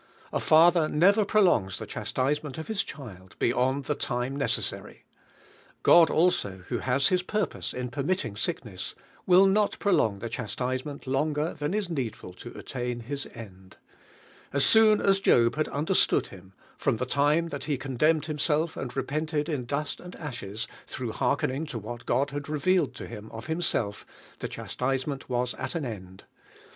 A father never prolongs the chas tisement of His child beyond the time necessary. God also who has Hiu par pose in permitting sickness, will not pro long the chastisement longer than is needful to attain TTis endavAs soon aw Job had understood Him, from the time that lie condemned himself and re pented in dusl and ashes, through heark DIVINE IIUAUNG. 173 cntng to what God had revealed to him of Himself, the chastisement was at an end.